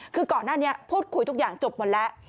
คือก่อนหน้านี้พูดคุยทุกอย่างจบหมดแล้ว